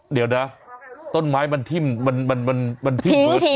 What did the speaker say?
เดี๋ยวนะต้นไม้มันทิมเบิ๊ด